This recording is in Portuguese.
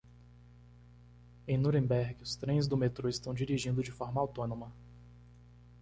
Em Nuremberg, os trens do metrô estão dirigindo de forma autônoma.